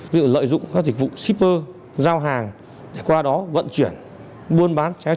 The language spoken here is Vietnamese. ví dụ lợi dụng các dịch vụ shipper giao hàng để qua đó vận chuyển buôn bán trái phép